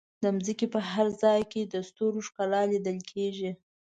د ځمکې په هر ځای کې د ستورو ښکلا لیدل کېږي.